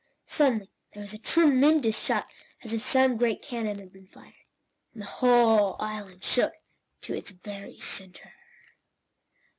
Suddenly there was a tremendous shock, as if some great cannon had been fired, and the whole island shook to its very centre.